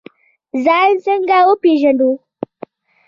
ځان څنګه وپیژنو؟